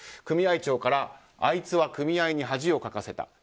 組合長からあいつは組合に恥をかかせた。